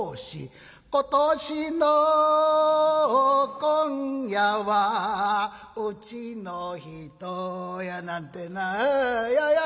今年の今夜はうちの人「やなんてなようようよう！